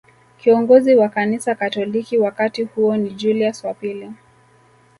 Kiongozi wa kanisa katoliki wakati huo ni Julius wa pili